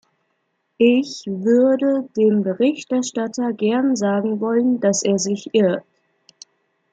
Ich würde dem Berichterstatter gern sagen wollen, dass er sich irrt.